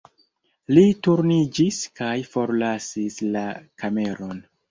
Li turniĝis kaj forlasis la kameron.